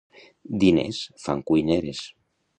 Diners fan cuineres.